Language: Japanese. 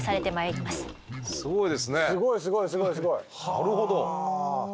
なるほど。